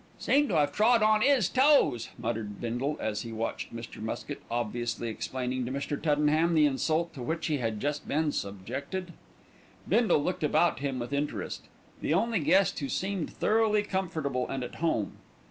"Seem to 'ave trod on 'is toes," muttered Bindle as he watched Mr. Muskett obviously explaining to Mr. Tuddenham the insult to which he had just been subjected. Bindle looked about him with interest, the only guest who seemed thoroughly comfortable and at home.